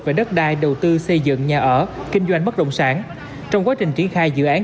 về đất đai đầu tư xây dựng nhà ở kinh doanh bất động sản trong quá trình triển khai dự án